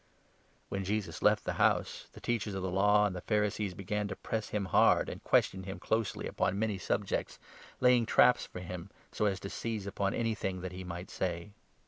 A Plot When Jesus left the house, the Teachers of the 53 against jesus. Law and the Pharisees began to press him hard and question him closely upon many subjects, laying traps for 54 him, so as to seize upon anything that he might say.